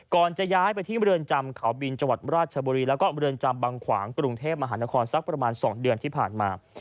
จะย้ายไปที่เมืองจำเขาบินจังหวัดราชบุรีแล้วก็เรือนจำบังขวางกรุงเทพมหานครสักประมาณ๒เดือนที่ผ่านมา